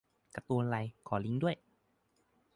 การ์ตูนอะไร ขอลิงก์ด้วย